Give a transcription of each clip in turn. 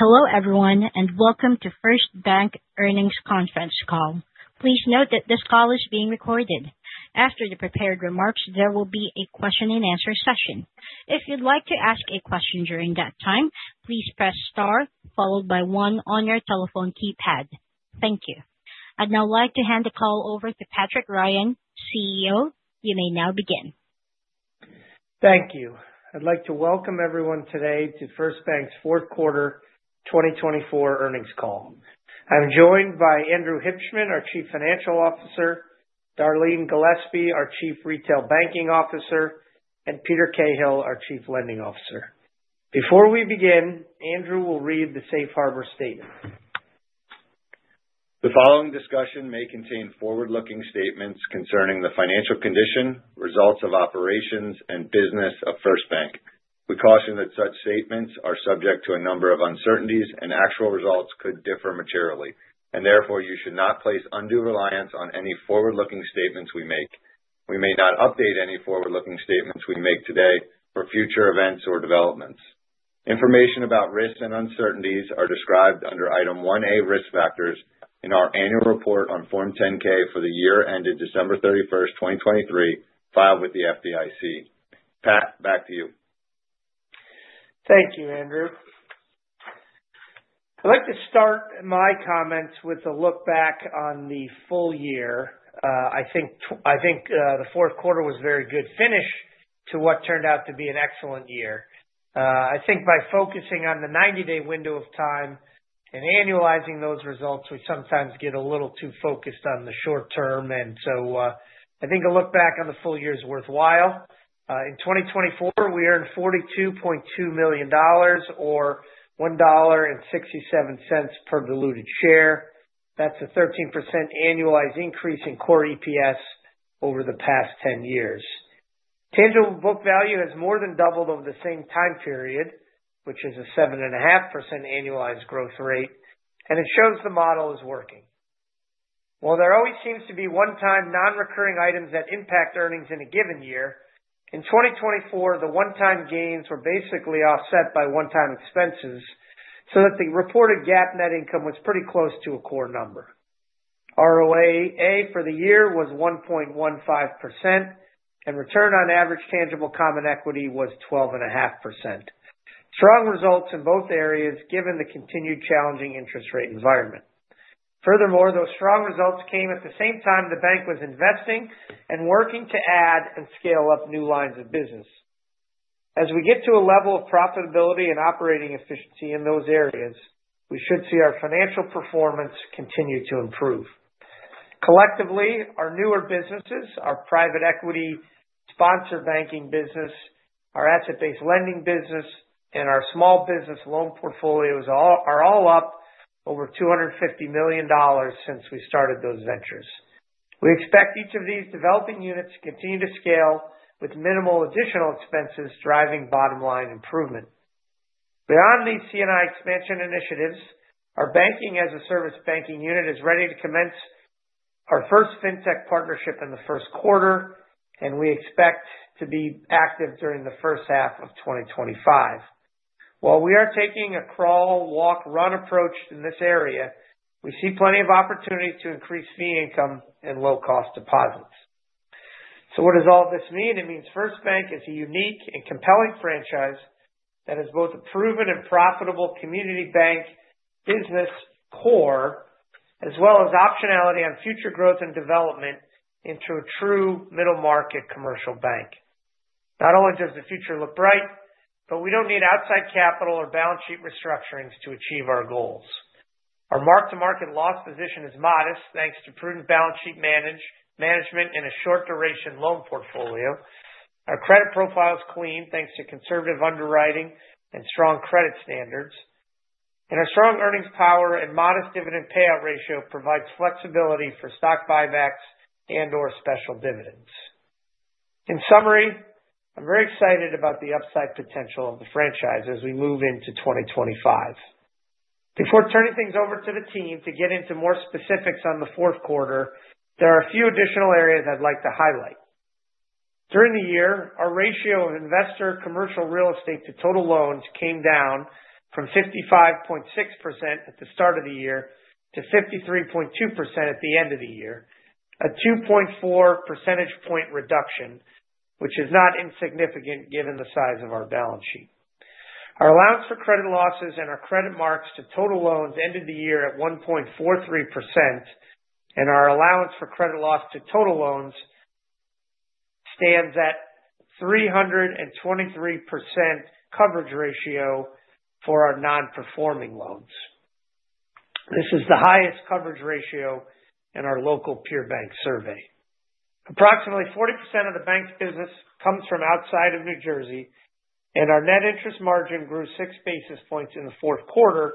Hello, everyone, and welcome to First Bank Earnings Conference Call. Please note that this call is being recorded. After the prepared remarks, there will be a question-and-answer session. If you'd like to ask a question during that time, please press star followed by one on your telephone keypad. Thank you. I'd now like to hand the call over to Patrick Ryan, CEO. You may now begin. Thank you. I'd like to welcome everyone today to First Bank's fourth quarter 2024 earnings call. I'm joined by Andrew Hibshman, our Chief Financial Officer, Darleen Gillespie, our Chief Retail Banking Officer, and Peter Cahill, our Chief Lending Officer. Before we begin, Andrew will read the Safe Harbor Statement. The following discussion may contain forward-looking statements concerning the financial condition, results of operations, and business of First Bank. We caution that such statements are subject to a number of uncertainties, and actual results could differ materially, and therefore, you should not place undue reliance on any forward-looking statements we make. We may not update any forward-looking statements we make today for future events or developments. Information about risks and uncertainties are described under Item 1A Risk Factors in our annual report on Form 10-K for the year ended December 31st, 2023, filed with the FDIC. Pat, back to you. Thank you, Andrew. I'd like to start my comments with a look back on the full year. I think the fourth quarter was a very good finish to what turned out to be an excellent year. I think by focusing on the 90-day window of time and annualizing those results, we sometimes get a little too focused on the short term. And so I think a look back on the full year is worthwhile. In 2024, we earned $42.2 million or $1.67 per diluted share. That's a 13% annualized increase in core EPS over the past 10 years. Tangible book value has more than doubled over the same time period, which is a 7.5% annualized growth rate. And it shows the model is working. While there always seems to be one-time non-recurring items that impact earnings in a given year, in 2024, the one-time gains were basically offset by one-time expenses so that the reported GAAP net income was pretty close to a core number. ROA for the year was 1.15%, and return on average tangible common equity was 12.5%. Strong results in both areas given the continued challenging interest rate environment. Furthermore, those strong results came at the same time the bank was investing and working to add and scale up new lines of business. As we get to a level of profitability and operating efficiency in those areas, we should see our financial performance continue to improve. Collectively, our newer businesses, our private equity sponsor banking business, our asset-based lending business, and our small business loan portfolios are all up over $250 million since we started those ventures. We expect each of these developing units to continue to scale with minimal additional expenses driving bottom-line improvement. Beyond these C&I expansion initiatives, our banking-as-a-service banking unit is ready to commence our first fintech partnership in the first quarter, and we expect to be active during the first half of 2025. While we are taking a crawl, walk, run approach in this area, we see plenty of opportunity to increase fee income and low-cost deposits. So what does all of this mean? It means First Bank is a unique and compelling franchise that has both a proven and profitable community bank business core, as well as optionality on future growth and development into a true middle-market commercial bank. Not only does the future look bright, but we don't need outside capital or balance sheet restructurings to achieve our goals. Our mark-to-market loss position is modest thanks to prudent balance sheet management and a short-duration loan portfolio. Our credit profile is clean thanks to conservative underwriting and strong credit standards. And our strong earnings power and modest dividend payout ratio provide flexibility for stock buybacks and/or special dividends. In summary, I'm very excited about the upside potential of the franchise as we move into 2025. Before turning things over to the team to get into more specifics on the fourth quarter, there are a few additional areas I'd like to highlight. During the year, our ratio of investor commercial real estate to total loans came down from 55.6% at the start of the year to 53.2% at the end of the year, a 2.4 percentage point reduction, which is not insignificant given the size of our balance sheet. Our allowance for credit losses and our credit marks to total loans ended the year at 1.43%, and our allowance for credit loss to total loans stands at 323% coverage ratio for our non-performing loans. This is the highest coverage ratio in our local peer bank survey. Approximately 40% of the bank's business comes from outside of New Jersey, and our net interest margin grew six basis points in the fourth quarter,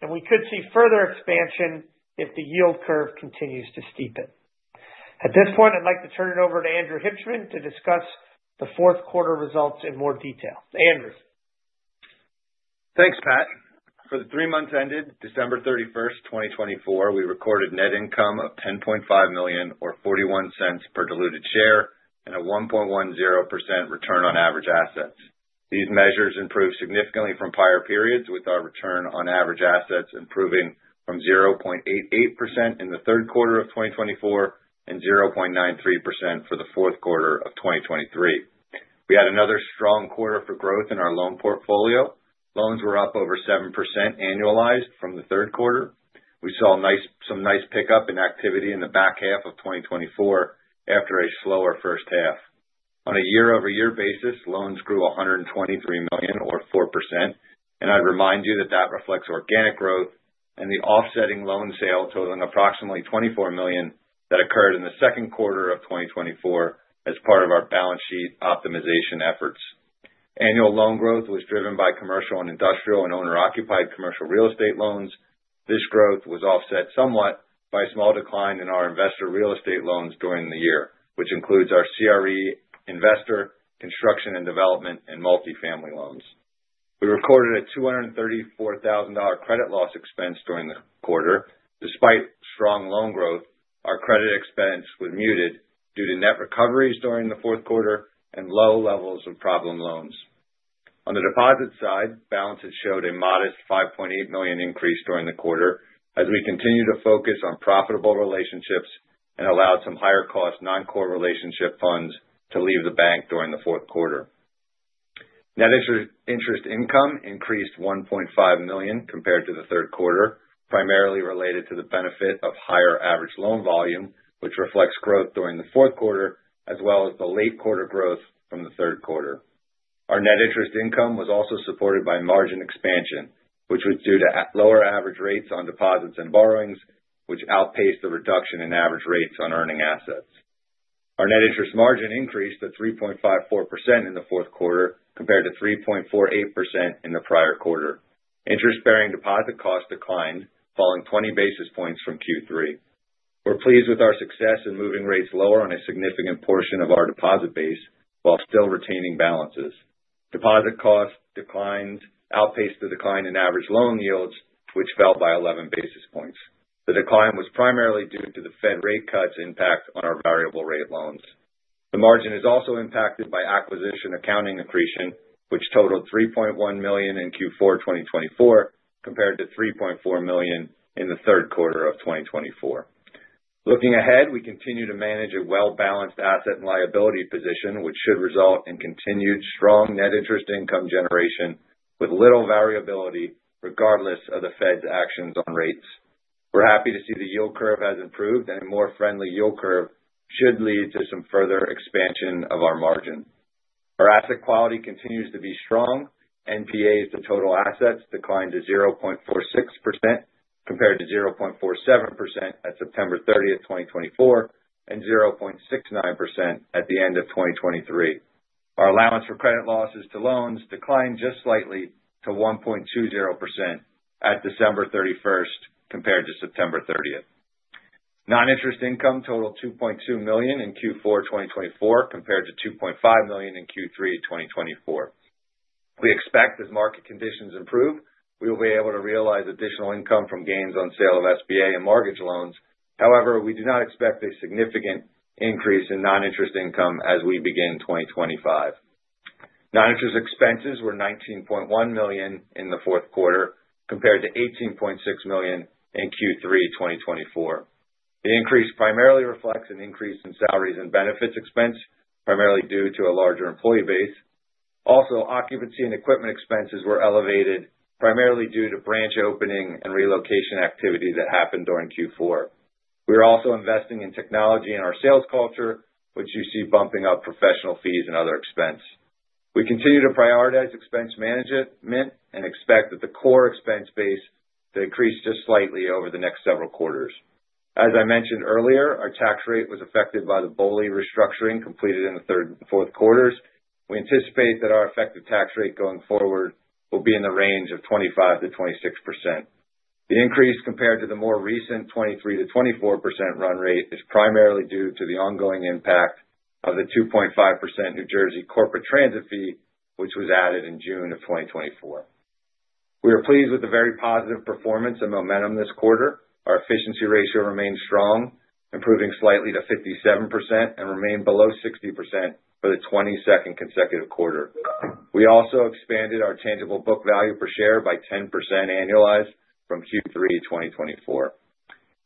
and we could see further expansion if the yield curve continues to steepen. At this point, I'd like to turn it over to Andrew Hibshman to discuss the fourth quarter results in more detail. Andrew? Thanks, Pat. For the three months ended December 31st, 2024, we recorded net income of $10.5 million or $0.41 per diluted share and a 1.10% return on average assets. These measures improved significantly from prior periods, with our return on average assets improving from 0.88% in the third quarter of 2024 and 0.93% for the fourth quarter of 2023. We had another strong quarter for growth in our loan portfolio. Loans were up over 7% annualized from the third quarter. We saw some nice pickup in activity in the back half of 2024 after a slower first half. On a year-over-year basis, loans grew $123 million or 4%, and I'd remind you that that reflects organic growth and the offsetting loan sale totaling approximately $24 million that occurred in the second quarter of 2024 as part of our balance sheet optimization efforts. Annual loan growth was driven by commercial and industrial and owner-occupied commercial real estate loans. This growth was offset somewhat by a small decline in our investor real estate loans during the year, which includes our CRE investor, construction and development, and multifamily loans. We recorded a $234,000 credit loss expense during the quarter. Despite strong loan growth, our credit expense was muted due to net recoveries during the fourth quarter and low levels of problem loans. On the deposit side, balance had showed a modest $5.8 million increase during the quarter as we continued to focus on profitable relationships and allowed some higher-cost non-core relationship funds to leave the bank during the fourth quarter. Net interest income increased $1.5 million compared to the third quarter, primarily related to the benefit of higher average loan volume, which reflects growth during the fourth quarter as well as the late quarter growth from the third quarter. Our net interest income was also supported by margin expansion, which was due to lower average rates on deposits and borrowings, which outpaced the reduction in average rates on earning assets. Our net interest margin increased to 3.54% in the fourth quarter compared to 3.48% in the prior quarter. Interest-bearing deposit cost declined, falling 20 basis points from Q3. We're pleased with our success in moving rates lower on a significant portion of our deposit base while still retaining balances. Deposit cost declined outpaced the decline in average loan yields, which fell by 11 basis points. The decline was primarily due to the Fed rate cuts' impact on our variable-rate loans. The margin is also impacted by acquisition accounting accretion, which totaled $3.1 million in Q4 2024 compared to $3.4 million in the third quarter of 2024. Looking ahead, we continue to manage a well-balanced asset and liability position, which should result in continued strong net interest income generation with little variability regardless of the Fed's actions on rates. We're happy to see the yield curve has improved, and a more friendly yield curve should lead to some further expansion of our margin. Our asset quality continues to be strong. NPAs to total assets declined to 0.46% compared to 0.47% at September 30th, 2024, and 0.69% at the end of 2023. Our allowance for credit losses to loans declined just slightly to 1.20% at December 31st compared to September 30th. Non-interest income totaled $2.2 million in Q4 2024 compared to $2.5 million in Q3 2024. We expect as market conditions improve, we will be able to realize additional income from gains on sale of SBA and mortgage loans. However, we do not expect a significant increase in non-interest income as we begin 2025. Non-interest expenses were $19.1 million in the fourth quarter compared to $18.6 million in Q3 2024. The increase primarily reflects an increase in salaries and benefits expense, primarily due to a larger employee base. Also, occupancy and equipment expenses were elevated, primarily due to branch opening and relocation activity that happened during Q4. We are also investing in technology and our sales culture, which you see bumping up professional fees and other expense. We continue to prioritize expense management and expect that the core expense base to increase just slightly over the next several quarters. As I mentioned earlier, our tax rate was affected by the BOLI restructuring completed in the third and fourth quarters. We anticipate that our effective tax rate going forward will be in the range of 25%-26%. The increase compared to the more recent 23%-24% run rate is primarily due to the ongoing impact of the 2.5% New Jersey Corporate Transit Fee, which was added in June of 2024. We are pleased with the very positive performance and momentum this quarter. Our efficiency ratio remained strong, improving slightly to 57%, and remained below 60% for the 22nd consecutive quarter. We also expanded our tangible book value per share by 10% annualized from Q3 2024.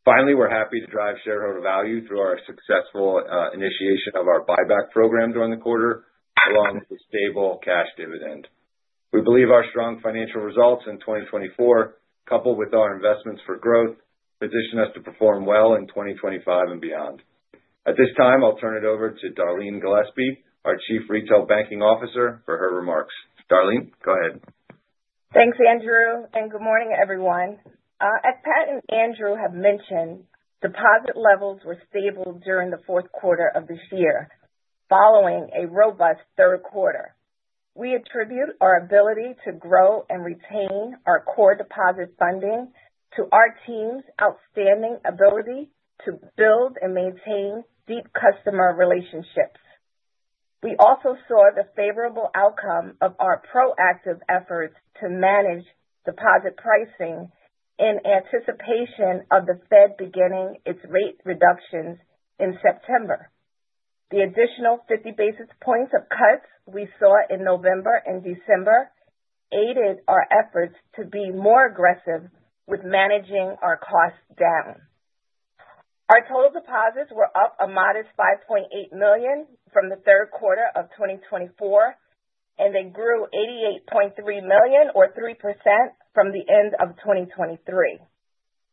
Finally, we're happy to drive shareholder value through our successful initiation of our buyback program during the quarter, along with a stable cash dividend. We believe our strong financial results in 2024, coupled with our investments for growth, position us to perform well in 2025 and beyond. At this time, I'll turn it over to Darleen Gillespie, our Chief Retail Banking Officer, for her remarks. Darleen, go ahead. Thanks, Andrew, and good morning, everyone. As Pat and Andrew have mentioned, deposit levels were stable during the fourth quarter of this year, following a robust third quarter. We attribute our ability to grow and retain our core deposit funding to our team's outstanding ability to build and maintain deep customer relationships. We also saw the favorable outcome of our proactive efforts to manage deposit pricing in anticipation of the Fed beginning its rate reductions in September. The additional 50 basis points of cuts we saw in November and December aided our efforts to be more aggressive with managing our costs down. Our total deposits were up a modest $5.8 million from the third quarter of 2024, and they grew $88.3 million or 3% from the end of 2023.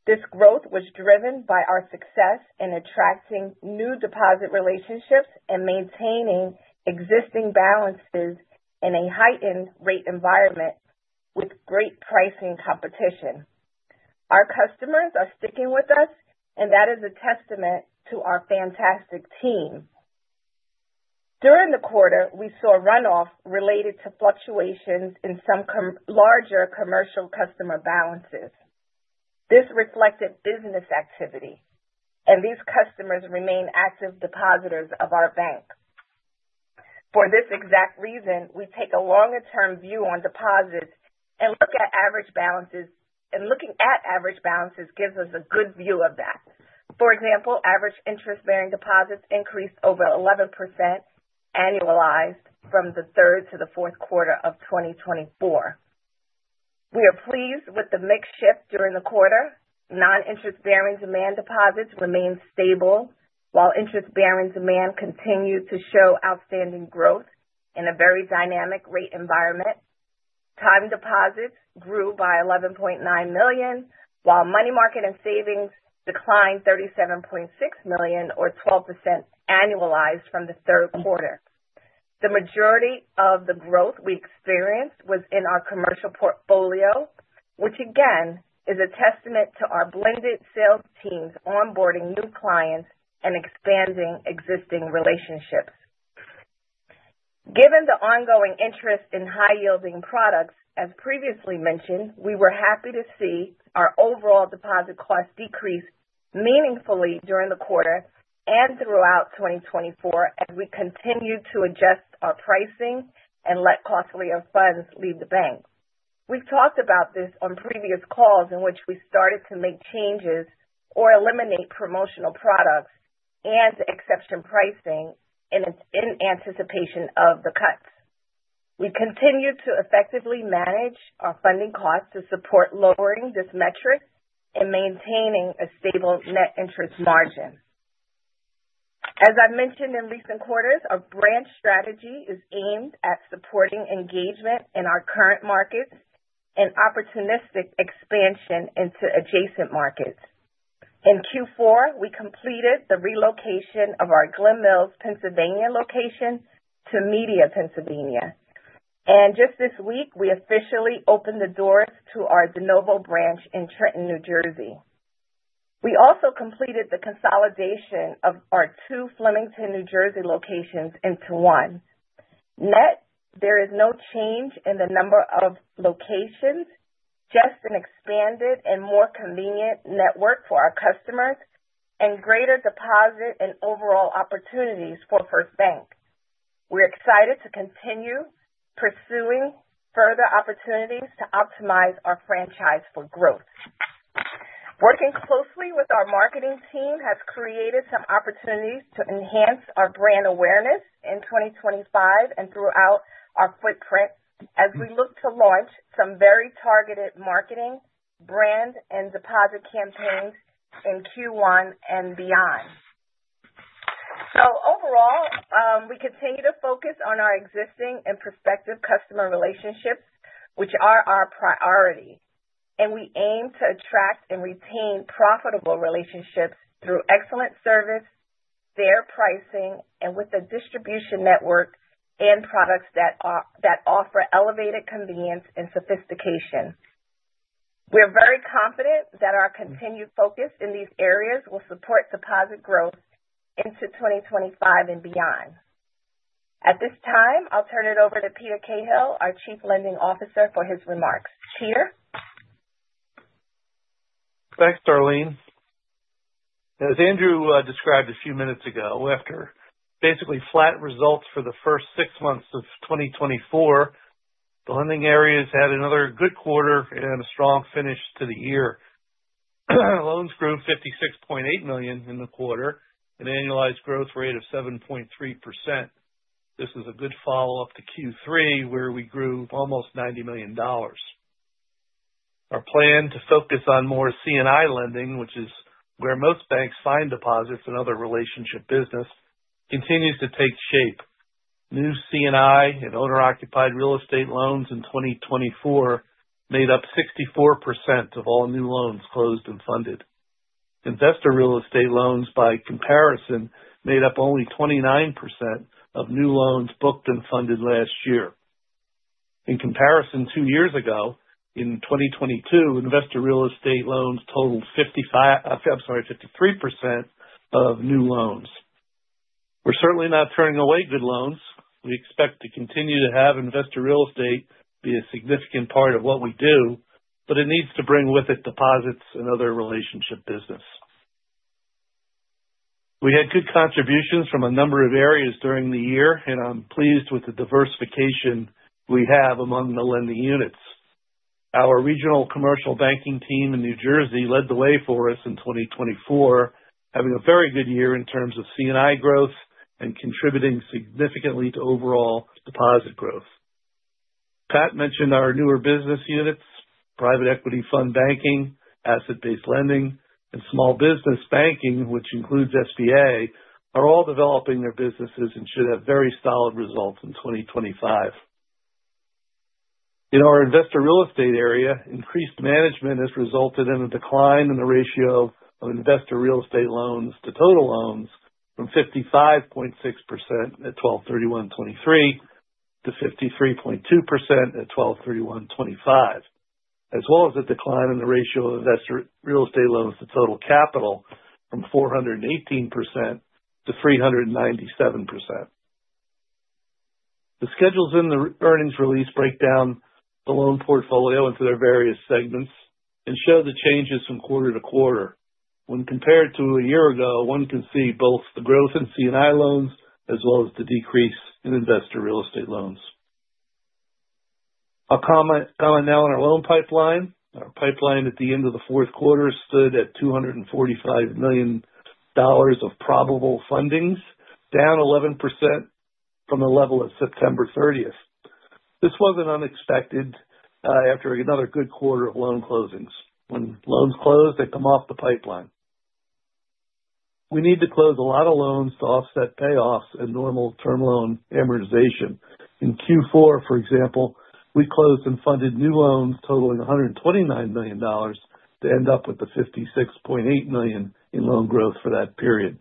This growth was driven by our success in attracting new deposit relationships and maintaining existing balances in a heightened rate environment with great pricing competition. Our customers are sticking with us, and that is a testament to our fantastic team. During the quarter, we saw runoff related to fluctuations in some larger commercial customer balances. This reflected business activity, and these customers remain active depositors of our bank. For this exact reason, we take a longer-term view on deposits and look at average balances, and looking at average balances gives us a good view of that. For example, average interest-bearing deposits increased over 11% annualized from the third to the fourth quarter of 2024. We are pleased with the mixed shift during the quarter. Non-interest-bearing demand deposits remained stable, while interest-bearing demand continued to show outstanding growth in a very dynamic rate environment. Time deposits grew by $11.9 million, while money market and savings declined $37.6 million or 12% annualized from the third quarter. The majority of the growth we experienced was in our commercial portfolio, which again is a testament to our blended sales teams onboarding new clients and expanding existing relationships. Given the ongoing interest in high-yielding products, as previously mentioned, we were happy to see our overall deposit cost decrease meaningfully during the quarter and throughout 2024 as we continued to adjust our pricing and let costly funds leave the bank. We've talked about this on previous calls in which we started to make changes or eliminate promotional products and exception pricing in anticipation of the cuts. We continue to effectively manage our funding costs to support lowering this metric and maintaining a stable net interest margin. As I've mentioned in recent quarters, our branch strategy is aimed at supporting engagement in our current markets and opportunistic expansion into adjacent markets. In Q4, we completed the relocation of our Glen Mills, Pennsylvania location to Media, Pennsylvania. And just this week, we officially opened the doors to our de novo branch in Trenton, New Jersey. We also completed the consolidation of our two Flemington, New Jersey locations into one. Net, there is no change in the number of locations, just an expanded and more convenient network for our customers and greater deposit and overall opportunities for First Bank. We're excited to continue pursuing further opportunities to optimize our franchise for growth. Working closely with our marketing team has created some opportunities to enhance our brand awareness in 2025 and throughout our footprint as we look to launch some very targeted marketing, brand, and deposit campaigns in Q1 and beyond. So overall, we continue to focus on our existing and prospective customer relationships, which are our priority, and we aim to attract and retain profitable relationships through excellent service, fair pricing, and with the distribution network and products that offer elevated convenience and sophistication. We're very confident that our continued focus in these areas will support deposit growth into 2025 and beyond. At this time, I'll turn it over to Peter Cahill, our Chief Lending Officer, for his remarks. Peter. Thanks, Darleen. As Andrew described a few minutes ago, after basically flat results for the first six months of 2024, the lending areas had another good quarter and a strong finish to the year. Loans grew $56.8 million in the quarter, an annualized growth rate of 7.3%. This is a good follow-up to Q3, where we grew almost $90 million. Our plan to focus on more C&I lending, which is where most banks find deposits and other relationship business, continues to take shape. New C&I and owner-occupied real estate loans in 2024 made up 64% of all new loans closed and funded. Investor real estate loans, by comparison, made up only 29% of new loans booked and funded last year. In comparison, two years ago, in 2022, investor real estate loans totaled 55%, I'm sorry, 53% of new loans. We're certainly not turning away good loans. We expect to continue to have investor real estate be a significant part of what we do, but it needs to bring with it deposits and other relationship business. We had good contributions from a number of areas during the year, and I'm pleased with the diversification we have among the lending units. Our regional commercial banking team in New Jersey led the way for us in 2024, having a very good year in terms of C&I growth and contributing significantly to overall deposit growth. Pat mentioned our newer business units, private equity fund banking, asset-based lending, and small business banking, which includes SBA, are all developing their businesses and should have very solid results in 2025. In our investor real estate area, increased management has resulted in a decline in the ratio of investor real estate loans to total loans from 55.6% at 12/31/2023 to 53.2% at 12/31/2024, as well as a decline in the ratio of investor real estate loans to total capital from 418% to 397%. The schedules in the earnings release break down the loan portfolio into their various segments and show the changes from quarter to quarter. When compared to a year ago, one can see both the growth in C&I loans as well as the decrease in investor real estate loans. I'll comment now on our loan pipeline. Our pipeline at the end of the fourth quarter stood at $245 million of probable fundings, down 11% from the level of September 30th. This wasn't unexpected after another good quarter of loan closings. When loans close, they come off the pipeline. We need to close a lot of loans to offset payoffs and normal term loan amortization. In Q4, for example, we closed and funded new loans totaling $129 million to end up with the $56.8 million in loan growth for that period.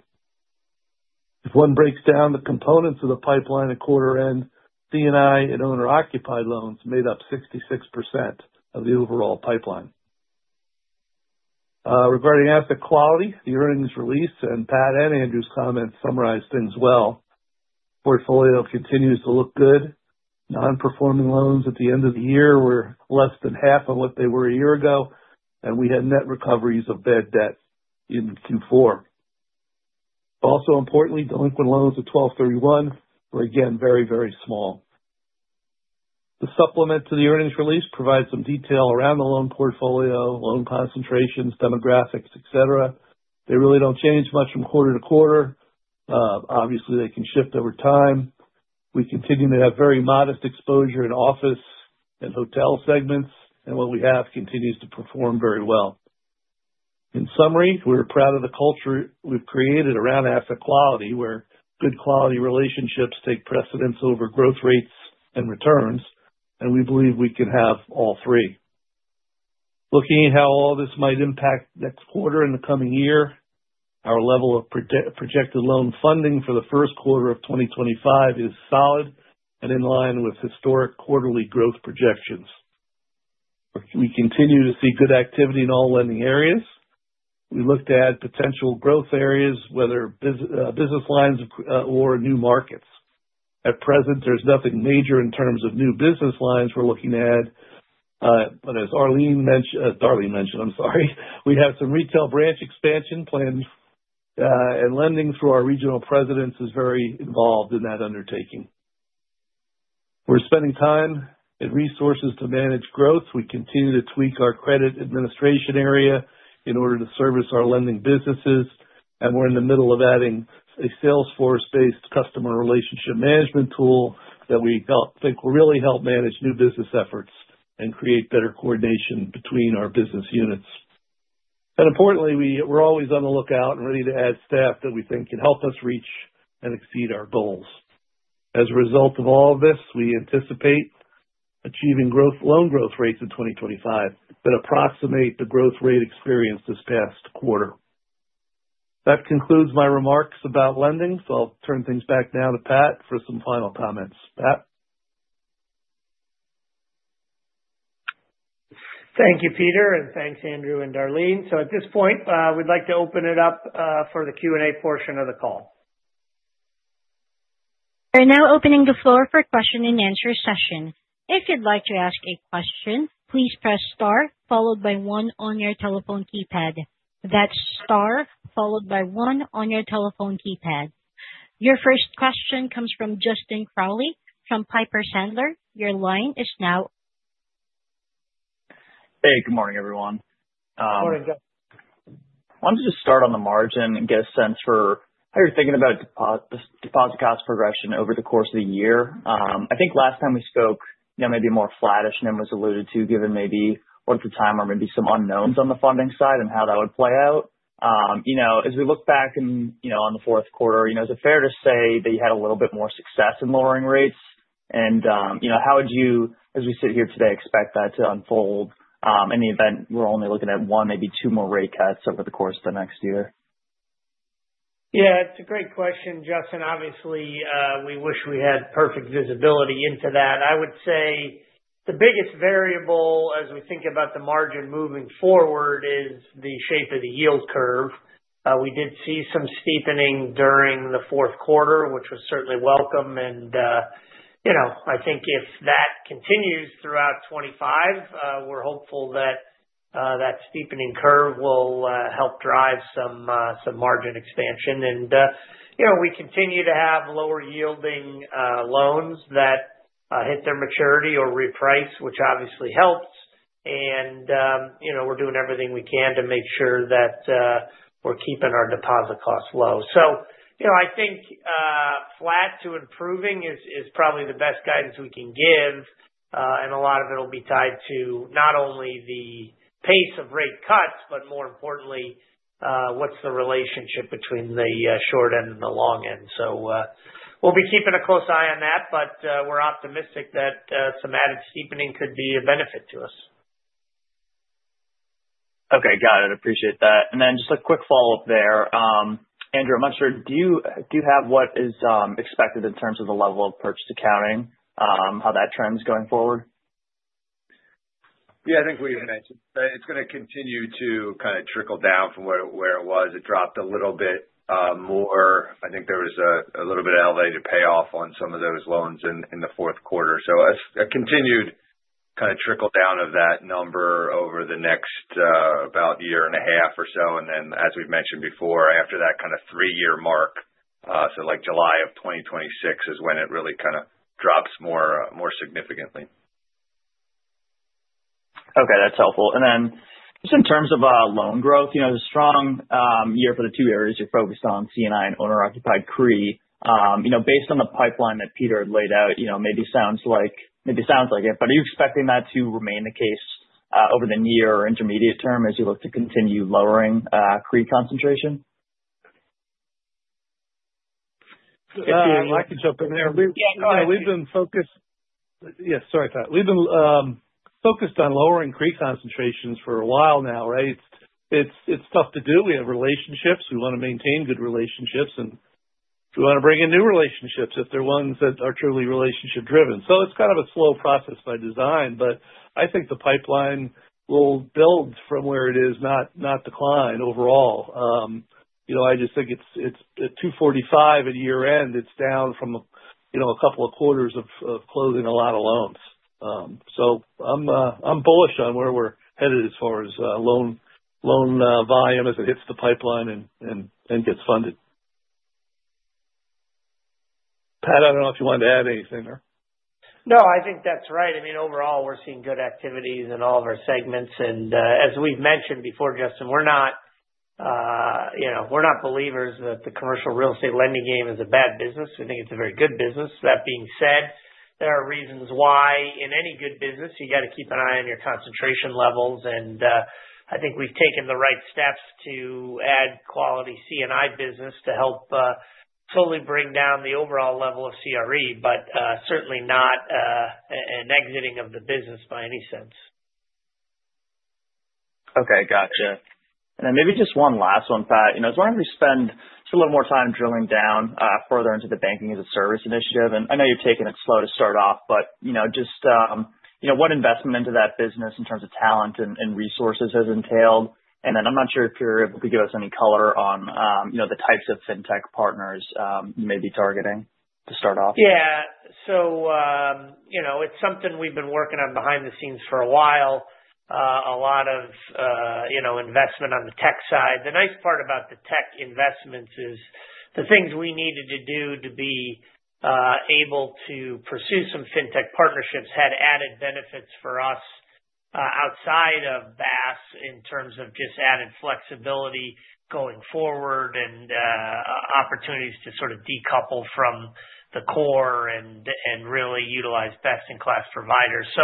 If one breaks down the components of the pipeline at quarter end, C&I and owner-occupied loans made up 66% of the overall pipeline. Regarding asset quality, the earnings release and Pat and Andrew's comments summarized things well. Portfolio continues to look good. Non-performing loans at the end of the year were less than half of what they were a year ago, and we had net recoveries of bad debt in Q4. Also, importantly, delinquent loans at 12/31 were again very, very small. The supplement to the earnings release provides some detail around the loan portfolio, loan concentrations, demographics, etc. They really don't change much from quarter to quarter. Obviously, they can shift over time. We continue to have very modest exposure in office and hotel segments, and what we have continues to perform very well. In summary, we're proud of the culture we've created around asset quality, where good quality relationships take precedence over growth rates and returns, and we believe we can have all three. Looking at how all this might impact next quarter and the coming year, our level of projected loan funding for the first quarter of 2025 is solid and in line with historic quarterly growth projections. We continue to see good activity in all lending areas. We look to add potential growth areas, whether business lines or new markets. At present, there's nothing major in terms of new business lines we're looking to add. But as Darleen mentioned, I'm sorry, we have some retail branch expansion planned, and lending through our regional presidents is very involved in that undertaking. We're spending time and resources to manage growth. We continue to tweak our credit administration area in order to service our lending businesses, and we're in the middle of adding a Salesforce-based customer relationship management tool that we think will really help manage new business efforts and create better coordination between our business units. And importantly, we're always on the lookout and ready to add staff that we think can help us reach and exceed our goals. As a result of all of this, we anticipate achieving loan growth rates in 2025, but approximate the growth rate experienced this past quarter. That concludes my remarks about lending, so I'll turn things back now to Pat for some final comments. Pat? Thank you, Peter, and thanks, Andrew, and Darleen. So at this point, we'd like to open it up for the Q&A portion of the call. We're now opening the floor for a question-and-answer session. If you'd like to ask a question, please press star followed by one on your telephone keypad. That's star followed by one on your telephone keypad. Your first question comes from Justin Crowley from Piper Sandler. Your line is now. Hey, good morning, everyone. Good morning, Jus. I wanted to just start on the margin and get a sense for how you're thinking about deposit cost progression over the course of the year. I think last time we spoke, maybe more flattish, and it was alluded to, given maybe what's the time, or maybe some unknowns on the funding side and how that would play out. As we look back on the fourth quarter, is it fair to say that you had a little bit more success in lowering rates? And how would you, as we sit here today, expect that to unfold in the event we're only looking at one, maybe two more rate cuts over the course of the next year? Yeah, it's a great question, Justin. Obviously, we wish we had perfect visibility into that. I would say the biggest variable as we think about the margin moving forward is the shape of the yield curve. We did see some steepening during the fourth quarter, which was certainly welcome, and I think if that continues throughout 2025, we're hopeful that that steepening curve will help drive some margin expansion, and we continue to have lower-yielding loans that hit their maturity or reprice, which obviously helps, and we're doing everything we can to make sure that we're keeping our deposit costs low, so I think flat to improving is probably the best guidance we can give, and a lot of it will be tied to not only the pace of rate cuts, but more importantly, what's the relationship between the short end and the long end. So we'll be keeping a close eye on that, but we're optimistic that some added steepening could be a benefit to us. Okay, got it. I appreciate that. And then just a quick follow-up there. Andrew, I'm not sure, do you have what is expected in terms of the level of purchase accounting, how that trend's going forward? Yeah, I think we've mentioned it's going to continue to kind of trickle down from where it was. It dropped a little bit more. I think there was a little bit of elevated payoff on some of those loans in the fourth quarter. So a continued kind of trickle down of that number over the next about year and a half or so. And then, as we've mentioned before, after that kind of three-year mark, so like July of 2026 is when it really kind of drops more significantly. Okay, that's helpful. And then just in terms of loan growth, the strong year for the two areas you're focused on, C&I and owner-occupied CRE, based on the pipeline that Peter had laid out, maybe sounds like it, but are you expecting that to remain the case over the near or intermediate term as you look to continue lowering CRE concentration? I can jump in there. We've been focused, yeah, sorry, Pat, we've been focused on lowering CRE concentrations for a while now, right? It's tough to do. We have relationships. We want to maintain good relationships, and we want to bring in new relationships if they're ones that are truly relationship-driven. So it's kind of a slow process by design, but I think the pipeline will build from where it is, not decline overall. I just think at 245 at year-end, it's down from a couple of quarters of closing a lot of loans. So I'm bullish on where we're headed as far as loan volume as it hits the pipeline and gets funded. Pat, I don't know if you wanted to add anything there. No, I think that's right. I mean, overall, we're seeing good activities in all of our segments. And as we've mentioned before, Justin, we're not believers that the commercial real estate lending game is a bad business. We think it's a very good business. That being said, there are reasons why in any good business, you got to keep an eye on your concentration levels. And I think we've taken the right steps to add quality C&I business to help totally bring down the overall level of CRE, but certainly not an exiting of the business by any means. Okay, gotcha. And then maybe just one last one, Pat. I just wanted to spend just a little more time drilling down further into the banking as a service initiative. And I know you've taken it slow to start off, but just what investment into that business in terms of talent and resources has entailed? And then I'm not sure if you're able to give us any color on the types of fintech partners you may be targeting to start off. Yeah. So it's something we've been working on behind the scenes for a while. A lot of investment on the tech side. The nice part about the tech investments is the things we needed to do to be able to pursue some fintech partnerships had added benefits for us outside of BaaS in terms of just added flexibility going forward and opportunities to sort of decouple from the core and really utilize best-in-class providers. So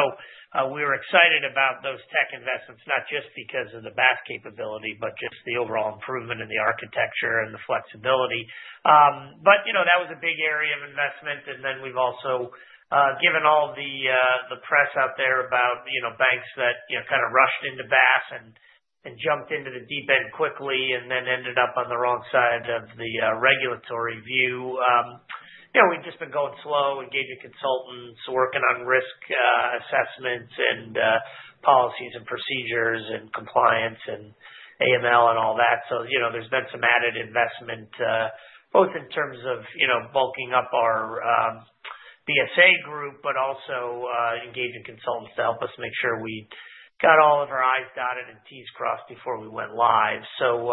we were excited about those tech investments, not just because of the Bass capability, but just the overall improvement in the architecture and the flexibility. But that was a big area of investment. And then we've also given all the press out there about banks that kind of rushed into Bass and jumped into the deep end quickly and then ended up on the wrong side of the regulatory view. We've just been going slow, engaging consultants, working on risk assessments and policies and procedures and compliance and AML and all that. So there's been some added investment, both in terms of bulking up our BSA group, but also engaging consultants to help us make sure we got all of our I's dotted and T's crossed before we went live. So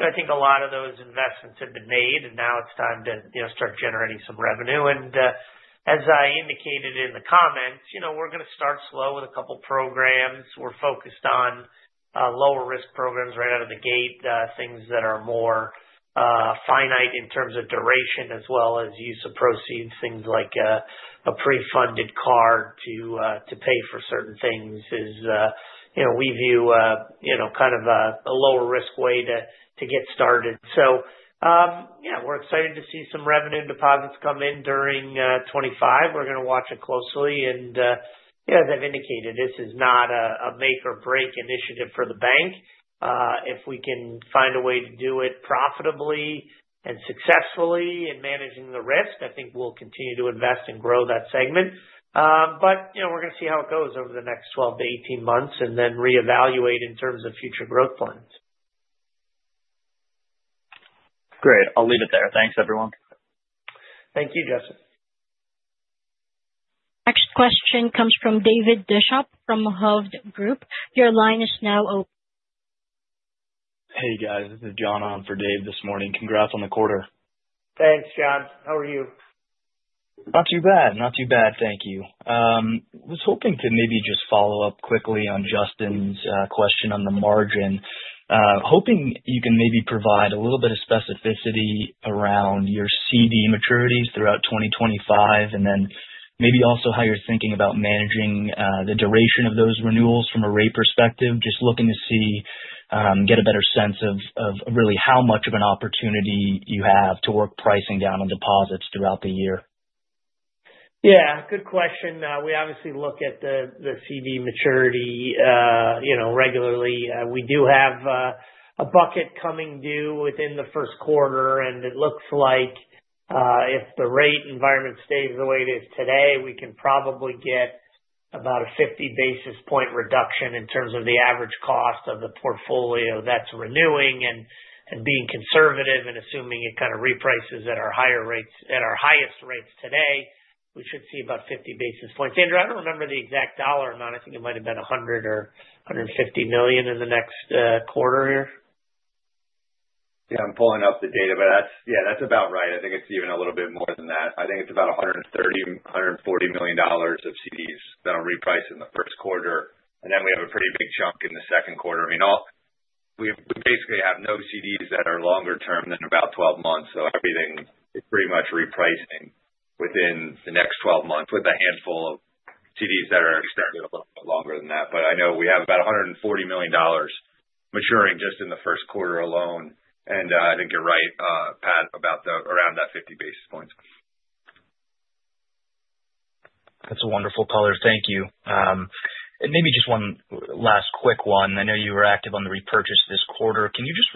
I think a lot of those investments have been made, and now it's time to start generating some revenue. And as I indicated in the comments, we're going to start slow with a couple of programs. We're focused on lower-risk programs right out of the gate, things that are more finite in terms of duration as well as use of proceeds, things like a pre-funded card to pay for certain things is we view kind of a lower-risk way to get started. Yeah, we're excited to see some revenue deposits come in during 2025. We're going to watch it closely. And as I've indicated, this is not a make-or-break initiative for the bank. If we can find a way to do it profitably and successfully and managing the risk, I think we'll continue to invest and grow that segment. But we're going to see how it goes over the next 12 months-18 months and then reevaluate in terms of future growth plans. Great. I'll leave it there. Thanks, everyone. Thank you, Justin. Next question comes from David Bishop from Hovde Group. Your line is now open. Hey, guys. This is John on for Dave this morning. Congrats on the quarter. Thanks, John. How are you? Not too bad. Not too bad. Thank you. I was hoping to maybe just follow up quickly on Justin's question on the margin. Hoping you can maybe provide a little bit of specificity around your CD maturities throughout 2025, and then maybe also how you're thinking about managing the duration of those renewals from a rate perspective, just looking to get a better sense of really how much of an opportunity you have to work pricing down on deposits throughout the year. Yeah. Good question. We obviously look at the CD maturity regularly. We do have a bucket coming due within the first quarter, and it looks like if the rate environment stays the way it is today, we can probably get about a 50 basis point reduction in terms of the average cost of the portfolio that's renewing. And being conservative and assuming it kind of reprices at our highest rates today, we should see about 50 basis points. Andrew, I don't remember the exact dollar amount. I think it might have been $100 or $150 million in the next quarter here. Yeah, I'm pulling up the data, but yeah, that's about right. I think it's even a little bit more than that. I think it's about $130 million-$140 million of CDs that are repriced in the first quarter. And then we have a pretty big chunk in the second quarter. I mean, we basically have no CDs that are longer term than about 12 months. So everything is pretty much repricing within the next 12 months with a handful of CDs that are extended a little bit longer than that. But I know we have about $140 million maturing just in the first quarter alone. And I think you're right, Pat, about around that 50 basis points. That's a wonderful color. Thank you, and maybe just one last quick one. I know you were active on the repurchase this quarter. Can you just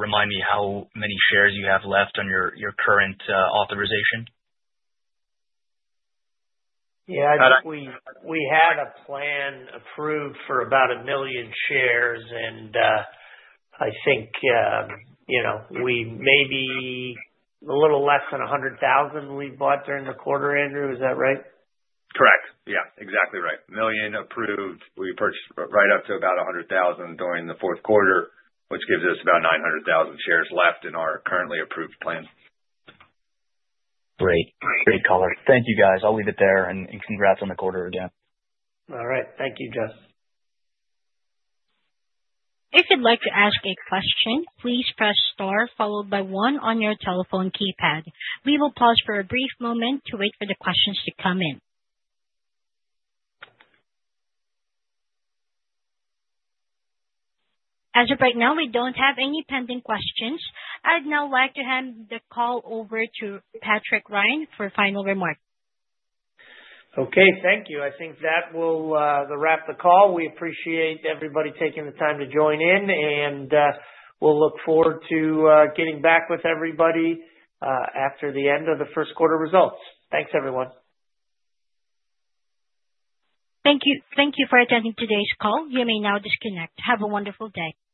remind me how many shares you have left on your current authorization? Yeah. We had a plan approved for about a million shares, and I think we maybe a little less than 100,000, we bought during the quarter, Andrew. Is that right? Correct. Yeah. Exactly right. One million approved. We purchased right up to about 100,000 during the fourth quarter, which gives us about 900,000 shares left in our currently approved plan. Great. Great color. Thank you, guys. I'll leave it there, and congrats on the quarter again. All right. Thank you, John. If you'd like to ask a question, please press star followed by one on your telephone keypad. We will pause for a brief moment to wait for the questions to come in. As of right now, we don't have any pending questions. I'd now like to hand the call over to Patrick Ryan for final remarks. Okay. Thank you. I think that will wrap the call. We appreciate everybody taking the time to join in, and we'll look forward to getting back with everybody after the end of the first quarter results. Thanks, everyone. Thank you for attending today's call. You may now disconnect. Have a wonderful day.